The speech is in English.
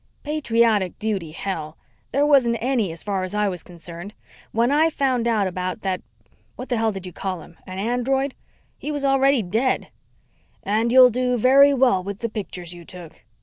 "Patriotic duty, hell! There wasn't any as far as I was concerned. When I found out about that What the hell did you call him? The android? he was already dead." "And you'll do very well with the pictures you took."